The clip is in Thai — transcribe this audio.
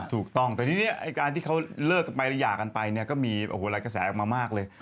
ถูกต้องแต่ทีนี้การที่เขาเลิกไปหรือหย่ากันไปก็มีรายกระแสออกมามากเลย